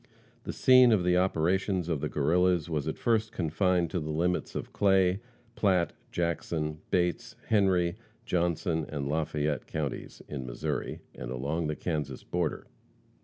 The scene of the operations of the Guerrillas was at first confined to the limits of Clay, Platte, Jackson, Bates, Henry, Johnson, and Lafayette counties, in Missouri, and along the Kansas border.